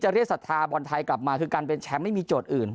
เรียกศรัทธาบอลไทยกลับมาคือการเป็นแชมป์ไม่มีโจทย์อื่น